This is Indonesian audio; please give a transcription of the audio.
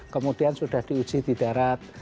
kemudian sudah diuji di darat